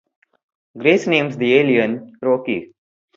Grace names the alien "Rocky".